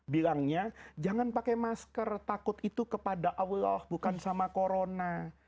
bilangnya jangan pakai masker takut itu kepada allah bukan sama corona